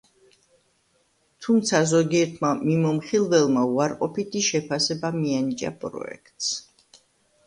თუმცა ზოგიერთმა მიმოხილველმა უარყოფითი შეფასება მიანიჭა პროექტს.